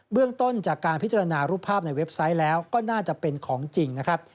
เรื่องต้นจากการพิจารณารูปภาพในเว็บไซต์แล้วก็น่าจะเป็นของจริงนะครับ